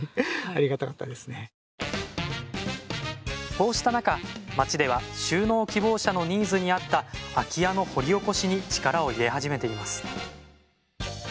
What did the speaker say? こうした中町では就農希望者のニーズに合った空き家の掘り起こしに力を入れ始めています